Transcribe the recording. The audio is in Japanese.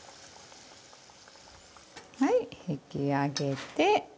はい引き上げて。